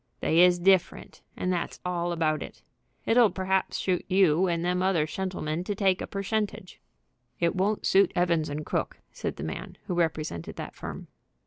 "They is different, and that's all about it. It'll perhaps shuit you and them other shentlemen to take a pershentage." "It won't suit Evans & Crooke," said the man who represented that firm.